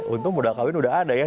untung modal kawin udah ada ya